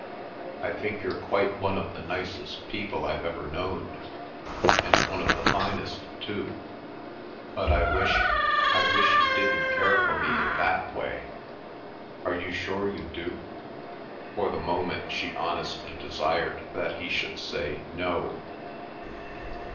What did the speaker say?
I think you're quite one of the nicest people I've ever known, and one of the finest too. But I wish ... I wish you didn't care for me in that way. Are you sure you do?" For the moment she honestly desired that he should say no.